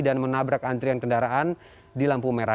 dan menabrak antrian kendaraan di lampu merah